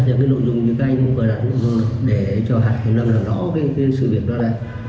cái nội dung như các anh cũng gọi là nội dung để cho hạt kiểm lâm làm rõ cái sự việc đó này